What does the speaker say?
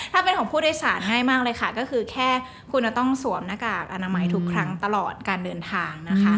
ถ้าเป็นของผู้โดยสารง่ายมากเลยค่ะก็คือแค่คุณจะต้องสวมหน้ากากอนามัยทุกครั้งตลอดการเดินทางนะคะ